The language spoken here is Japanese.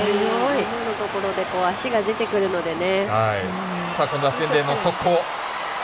今のところで足が出てくるのでね。